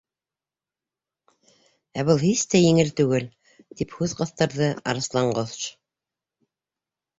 —Ә был һис тә еңел түгел, —тип һүҙ ҡыҫтырҙы Арыҫланҡош.